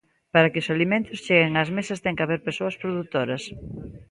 Para que os alimentos cheguen ás mesas ten que haber persoas produtoras.